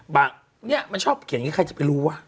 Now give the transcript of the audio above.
ะเนี่ยมันชอบเขียนอย่างนี้ใครจะไปรู้ว่ะ